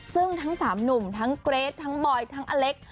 ซึ่งทั้งสามหนุ่มทั้งเกรททั้งบอยทั้งอเล็ก